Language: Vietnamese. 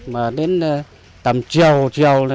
mà đến tầm chiều chiều